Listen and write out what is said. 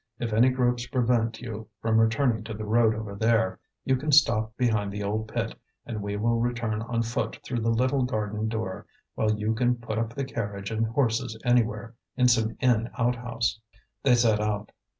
If any groups prevent you from returning to the road over there, you can stop behind the old pit, and we will return on foot through the little garden door, while you can put up the carriage and horses anywhere, in some inn outhouse." They set out.